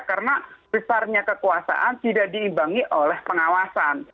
karena besarnya kekuasaan tidak diimbangi oleh pengawasan